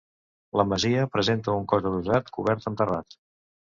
La masia presenta un cos adossat cobert amb terrat.